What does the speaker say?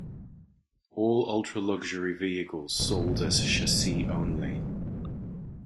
All ultra-luxury vehicles sold as chassis only.